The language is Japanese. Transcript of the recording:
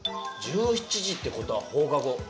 １７時ってことは放課後。